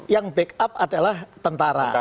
yang back up adalah tentara